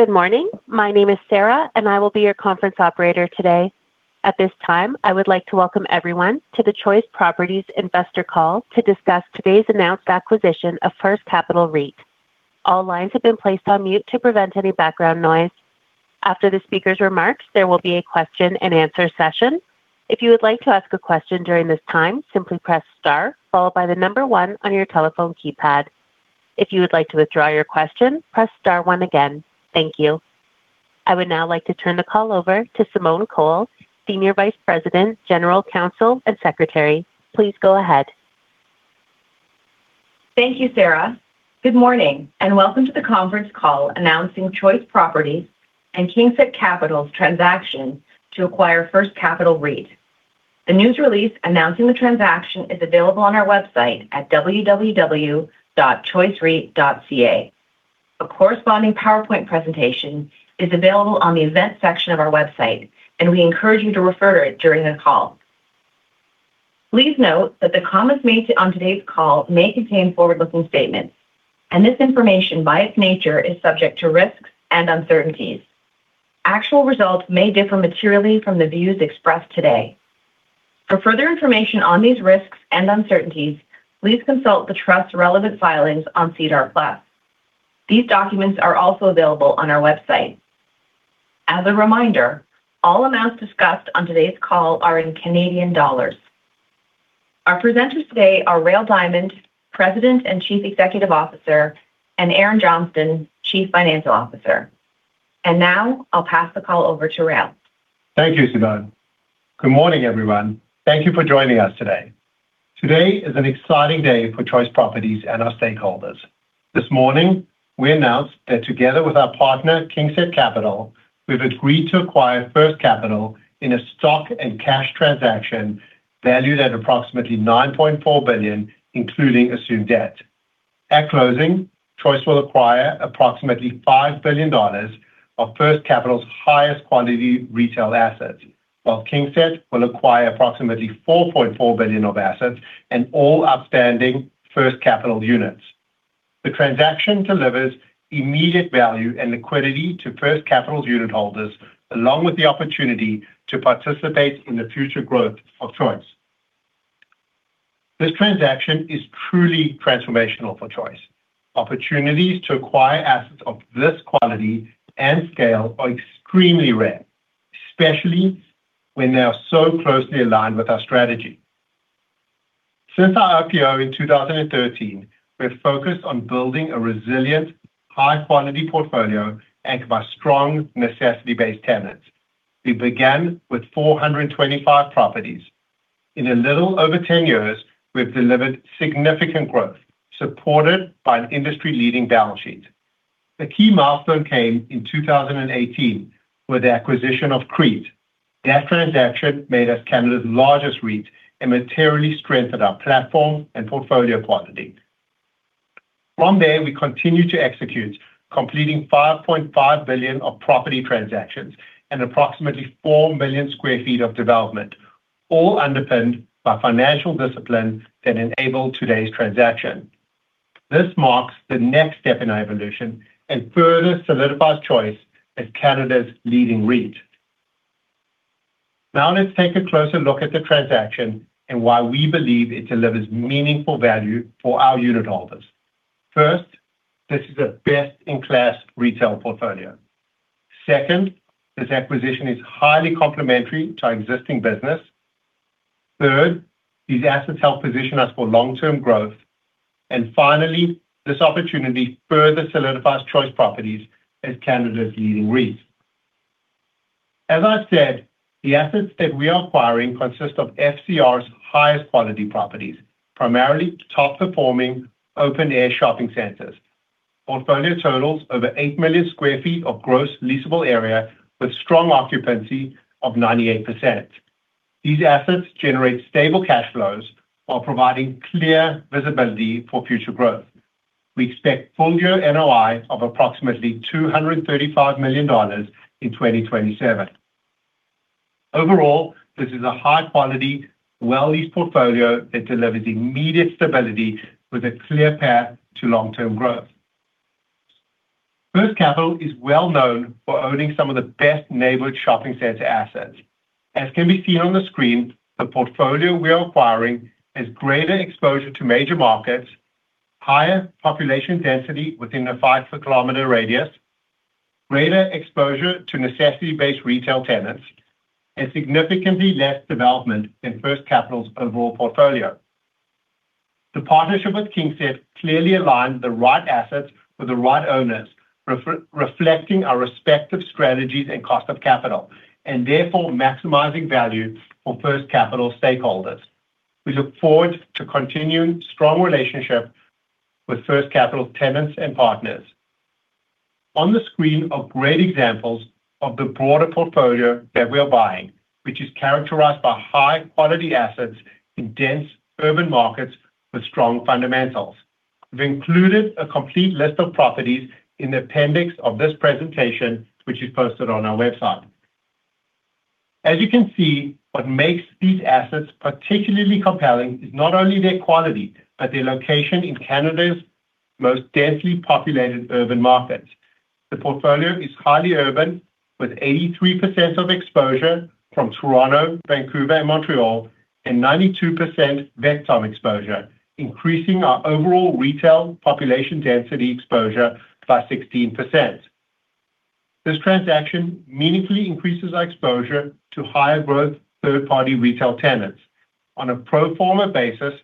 Good morning. My name is Sarah, and I will be your conference operator today. At this time, I would like to welcome everyone to the Choice Properties investor call to discuss today's announced acquisition of First Capital REIT. All lines have been placed on mute to prevent any background noise. After the speaker's remarks, there will be a question-and-answer session. If you would like to ask a question during this time, simply press star followed by the number one on your telephone keypad. If you would like to withdraw your question, press star one again. Thank you. I would now like to turn the call over to Simone Cole, Senior Vice President, General Counsel, and Secretary. Please go ahead. Thank you, Sarah. Good morning and welcome to the conference call announcing Choice Properties and KingSett Capital's transaction to acquire First Capital REIT. The news release announcing the transaction is available on our website at www.choicereit.ca. A corresponding PowerPoint presentation is available on the event section of our website, and we encourage you to refer to it during the call. Please note that the comments made on today's call may contain forward-looking statements, and this information, by its nature, is subject to risks and uncertainties. Actual results may differ materially from the views expressed today. For further information on these risks and uncertainties, please consult the Trust's relevant filings on SEDAR+. These documents are also available on our website. As a reminder, all amounts discussed on today's call are in Canadian dollars. Our presenters today are Rael Diamond, President and Chief Executive Officer, and Erin Johnston, Chief Financial Officer. Now I'll pass the call over to Rael. Thank you, Simone. Good morning, everyone. Thank you for joining us today. Today is an exciting day for Choice Properties and our stakeholders. This morning, we announced that together with our partner, KingSett Capital, we've agreed to acquire First Capital in a stock and cash transaction valued at approximately 9.4 billion including assumed debt. At closing, Choice will acquire approximately 5 billion dollars of First Capital's highest quality retail assets, while KingSett will acquire approximately 4.4 billion of assets and all outstanding First Capital units. The transaction delivers immediate value and liquidity to First Capital's unitholders, along with the opportunity to participate in the future growth of Choice. This transaction is truly transformational for Choice. Opportunities to acquire assets of this quality and scale are extremely rare, especially when they are so closely aligned with our strategy. Since our IPO in 2013, we're focused on building a resilient, high-quality portfolio anchored by strong necessity-based tenants. We began with 425 properties. In a little over 10 years, we've delivered significant growth supported by an industry-leading balance sheet. A key milestone came in 2018 with the acquisition of CREIT. That transaction made us Canada's largest REIT and materially strengthened our platform and portfolio quality. From there, we continued to execute, completing 5.5 billion of property transactions and approximately 4 million sq ft of development, all underpinned by financial discipline that enabled today's transaction. This marks the next step in our evolution and further solidifies Choice as Canada's leading REIT. Now let's take a closer look at the transaction and why we believe it delivers meaningful value for our unitholders. First, this is a best-in-class retail portfolio. Second, this acquisition is highly complementary to our existing business. Third, these assets help position us for long-term growth. Finally, this opportunity further solidifies Choice Properties as Canada's leading REIT. As I said, the assets that we are acquiring consist of FCR's highest quality properties, primarily top-performing open-air shopping centers. Portfolio totals over 8 million sq ft of gross leasable area with strong occupancy of 98%. These assets generate stable cash flows while providing clear visibility for future growth. We expect full year NOI of approximately 235 million dollars in 2027. Overall, this is a high-quality, well-leased portfolio that delivers immediate stability with a clear path to long-term growth. First Capital is well-known for owning some of the best neighborhood shopping center assets. As can be seen on the screen, the portfolio we are acquiring has greater exposure to major markets, higher population density within a five-kilometer radius, greater exposure to necessity-based retail tenants, and significantly less development than First Capital's overall portfolio. The partnership with KingSett clearly aligns the right assets with the right owners, reflecting our respective strategies and cost of capital, and therefore maximizing value for First Capital stakeholders. We look forward to continuing strong relationship with First Capital's tenants and partners. On the screen are great examples of the broader portfolio that we are buying, which is characterized by high-quality assets in dense urban markets with strong fundamentals. We've included a complete list of properties in the appendix of this presentation, which is posted on our website. As you can see, what makes these assets particularly compelling is not only their quality, but their location in Canada's most densely populated urban markets. The portfolio is highly urban, with 83% of exposure from Toronto, Vancouver, and Montreal, and 92% urban exposure, increasing our overall retail population density exposure by 16%. This transaction meaningfully increases our exposure to higher growth third-party retail tenants. On a pro forma basis,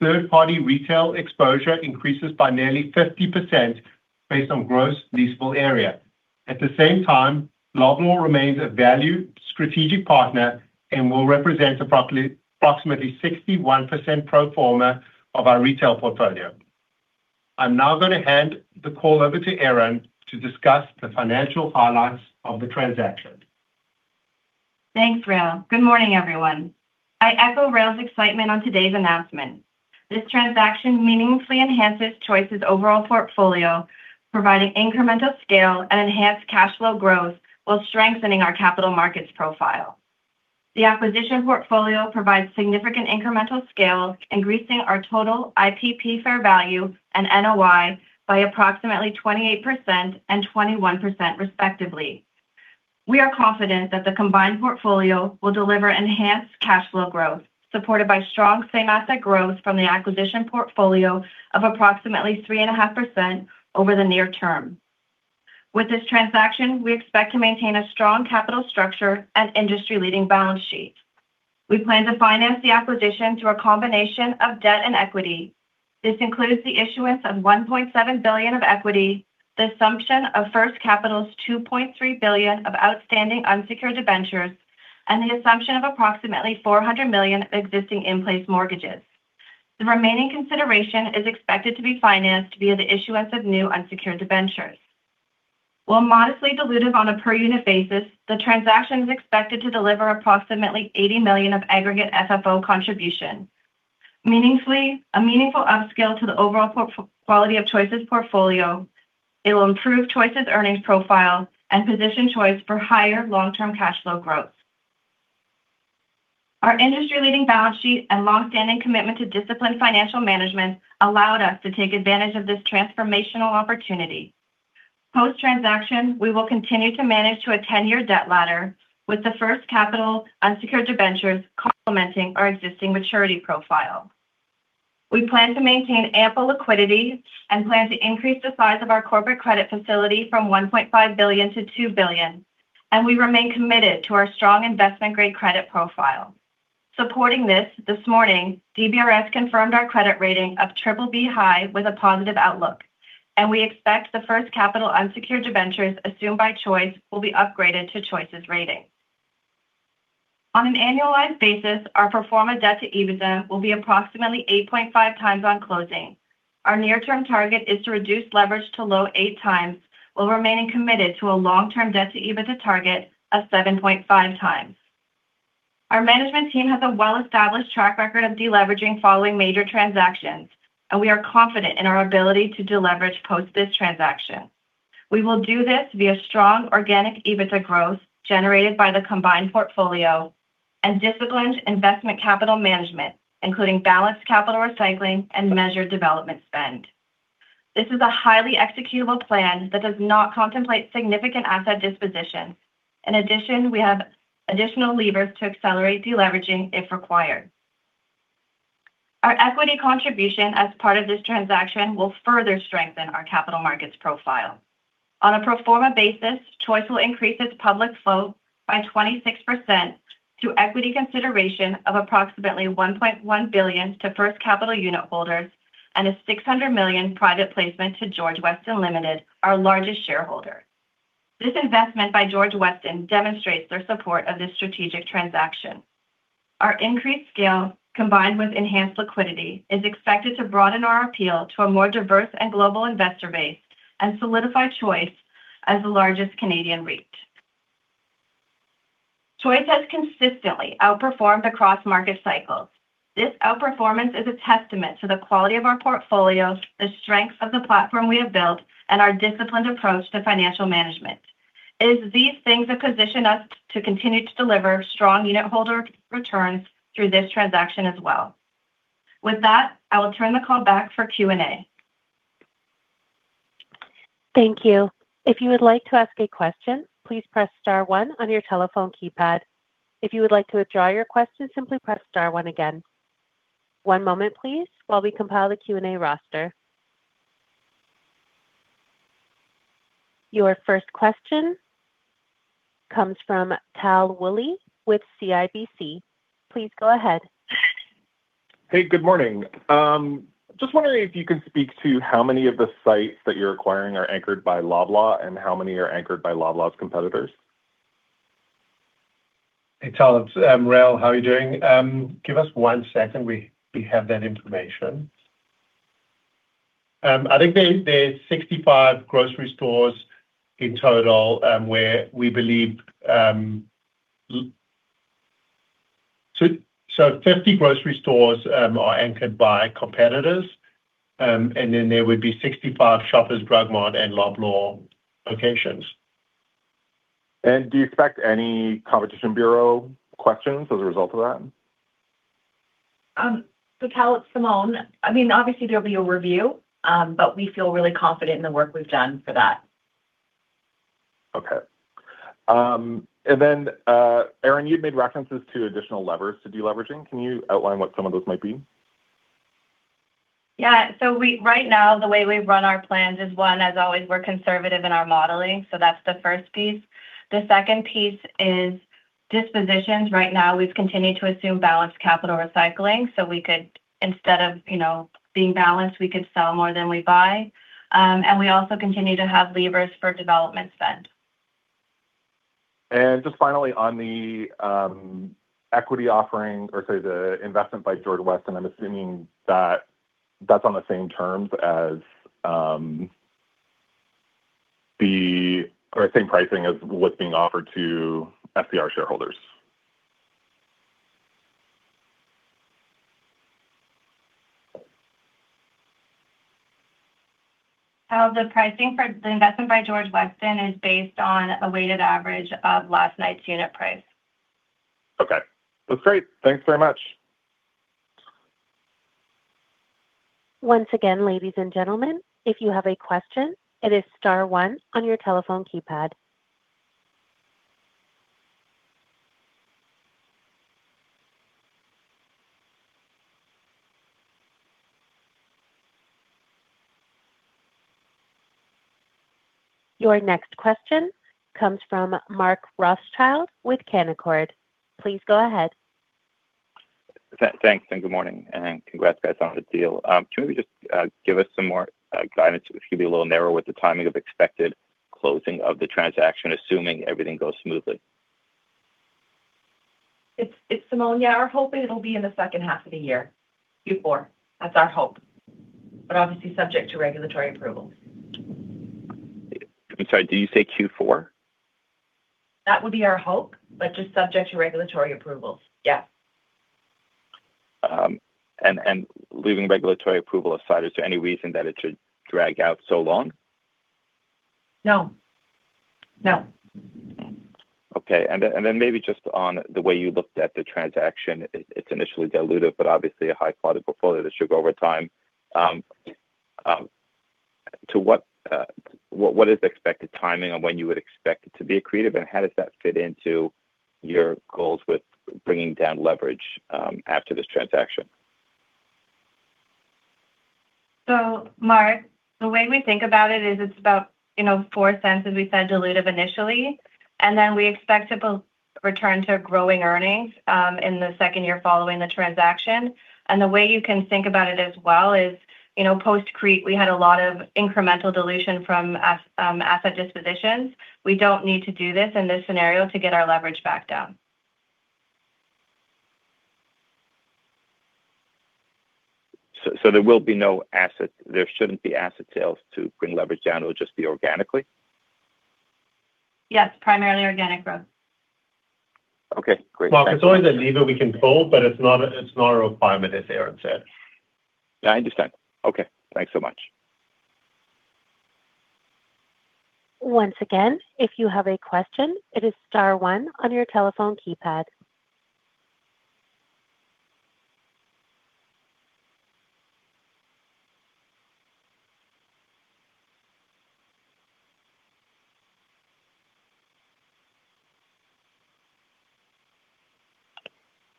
third-party retail exposure increases by nearly 50% based on gross leasable area. At the same time, Loblaw remains a valued strategic partner and will represent approximately 61% pro forma of our retail portfolio. I'm now going to hand the call over to Erin to discuss the financial highlights of the transaction. Thanks, Rael. Good morning, everyone. I echo Rael's excitement on today's announcement. This transaction meaningfully enhances Choice's overall portfolio, providing incremental scale and enhanced cash flow growth while strengthening our capital markets profile. The acquisition portfolio provides significant incremental scale, increasing our total IPP fair value and NOI by approximately 28% and 21% respectively. We are confident that the combined portfolio will deliver enhanced cash flow growth, supported by strong same asset growth from the acquisition portfolio of approximately 3.5% over the near term. With this transaction, we expect to maintain a strong capital structure and industry-leading balance sheet. We plan to finance the acquisition through a combination of debt and equity. This includes the issuance of 1.7 billion of equity, the assumption of First Capital's 2.3 billion of outstanding unsecured debentures, and the assumption of approximately 400 million of existing in-place mortgages. The remaining consideration is expected to be financed via the issuance of new unsecured debentures. While modestly dilutive on a per unit basis, the transaction is expected to deliver approximately 80 million of aggregate FFO contribution. A meaningful upscale to the overall quality of Choice's portfolio, it will improve Choice's earnings profile and position Choice for higher long-term cash flow growth. Our industry-leading balance sheet and longstanding commitment to disciplined financial management allowed us to take advantage of this transformational opportunity. Post-transaction, we will continue to manage to a 10-year debt ladder with the First Capital unsecured debentures complementing our existing maturity profile. We plan to maintain ample liquidity and plan to increase the size of our corporate credit facility from 1.5 billion-2 billion, and we remain committed to our strong investment-grade credit profile. Supporting this morning, DBRS confirmed our credit rating of BBB (high) with a positive outlook, and we expect the First Capital unsecured debentures assumed by Choice will be upgraded to Choice's rating. On an annualized basis, our pro forma debt to EBITDA will be approximately 8.5x on closing. Our near-term target is to reduce leverage to low 8x while remaining committed to a long-term debt to EBITDA target of 7.5x. Our management team has a well-established track record of de-leveraging following major transactions, and we are confident in our ability to de-leverage post this transaction. We will do this via strong organic EBITDA growth generated by the combined portfolio and disciplined investment capital management, including balanced capital recycling and measured development spend. This is a highly executable plan that does not contemplate significant asset disposition. In addition, we have additional levers to accelerate de-leveraging if required. Our equity contribution as part of this transaction will further strengthen our capital markets profile. On a pro forma basis, Choice will increase its public float by 26% to equity consideration of approximately 1.1 billion to First Capital unit holders and a 600 million private placement to George Weston Limited, our largest shareholder. This investment by George Weston demonstrates their support of this strategic transaction. Our increased scale, combined with enhanced liquidity, is expected to broaden our appeal to a more diverse and global investor base and solidify Choice as the largest Canadian REIT. Choice has consistently outperformed across market cycles. This outperformance is a testament to the quality of our portfolios, the strength of the platform we have built, and our disciplined approach to financial management. It is these things that position us to continue to deliver strong unit holder returns through this transaction as well. With that, I will turn the call back for Q&A. Thank you. If you would like to ask a question, please press star one on your telephone keypad. If you would like to withdraw your question, simply press star one again. One moment, please, while we compile the Q&A roster. Your first question comes from Tal Woolley with CIBC. Please go ahead. Hey, good morning. Just wondering if you can speak to how many of the sites that you're acquiring are anchored by Loblaw, and how many are anchored by Loblaw's competitors. Hey, Tal. It's Rael. How are you doing? Give us one second. We have that information. I think there's 65 grocery stores in total where we believe 50 grocery stores are anchored by competitors, and then there would be 65 Shoppers Drug Mart and Loblaw locations. Do you expect any Competition Bureau questions as a result of that? Tal, it's Simone. Obviously, there'll be a review, but we feel really confident in the work we've done for that. Okay. Erin, you'd made references to additional levers to deleveraging. Can you outline what some of those might be? Yeah. Right now, the way we run our plans is, one, as always, we're conservative in our modeling. That's the first piece. The second piece is dispositions. Right now, we've continued to assume balanced capital recycling. We could, instead of being balanced, we could sell more than we buy. We also continue to have levers for development spend. Just finally, on the equity offering, or sorry, the investment by George Weston, and I'm assuming that that's on the same terms as or the same pricing as what's being offered to FCR shareholders. Tal, the pricing for the investment by George Weston is based on a weighted average of last night's unit price. Okay. That's great. Thanks very much. Once again, ladies and gentlemen, if you have a question, it is star one on your telephone keypad. Your next question comes from Mark Rothschild with Canaccord. Please go ahead. Thanks, and good morning, and congrats guys on the deal. Can you maybe just give us some more guidance, maybe a little narrower with the timing of expected closing of the transaction, assuming everything goes smoothly? It's Simone. Yeah, we're hoping it'll be in the second half of the year, Q4. That's our hope. Obviously subject to regulatory approval. I'm sorry, did you say Q4? That would be our hope, but just subject to regulatory approvals. Yeah. Leaving regulatory approval aside, is there any reason that it should drag out so long? No. Okay. Maybe just on the way you looked at the transaction, it's initially dilutive, but obviously a high-quality portfolio that should over time. What is the expected timing on when you would expect it to be accretive, and how does that fit into your goals with bringing down leverage after this transaction? Mark, the way we think about it is it's about 0.04, as we said, dilutive initially, and then we expect it will return to growing earnings in the second year following the transaction. The way you can think about it as well is post-CREIT, we had a lot of incremental dilution from asset dispositions. We don't need to do this in this scenario to get our leverage back down. There shouldn't be asset sales to bring leverage down. It will just be organically? Yes, primarily organic growth. Okay, great. Mark, it's always a lever we can pull, but it's not a requirement as Erin said. Yeah, I understand. Okay. Thanks so much. Once again, if you have a question, it is star one on your telephone keypad.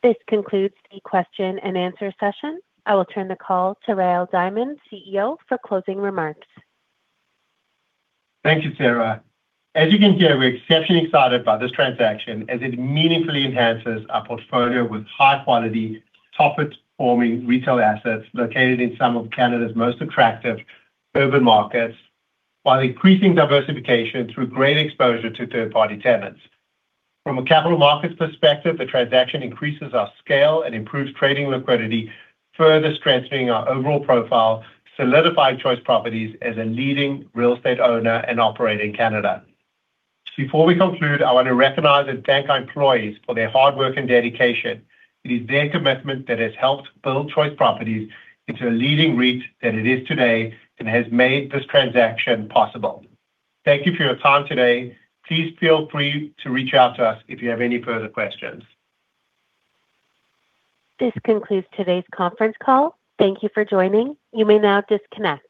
This concludes the question and answer session. I will turn the call to Rael Diamond, CEO, for closing remarks. Thank you, Sarah. As you can hear, we're exceptionally excited by this transaction as it meaningfully enhances our portfolio with high-quality, top-performing retail assets located in some of Canada's most attractive urban markets, while increasing diversification through great exposure to third-party tenants. From a capital markets perspective, the transaction increases our scale and improves trading liquidity, further strengthening our overall profile, solidifying Choice Properties as a leading real estate owner and operator in Canada. Before we conclude, I want to recognize and thank our employees for their hard work and dedication. It is their commitment that has helped build Choice Properties into a leading REIT that it is today and has made this transaction possible. Thank you for your time today. Please feel free to reach out to us if you have any further questions. This concludes today's conference call. Thank you for joining. You may now disconnect.